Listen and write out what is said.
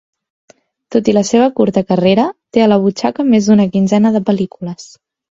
Tot i la seva curta carrera, té a la butxaca més d'una quinzena de pel·lícules.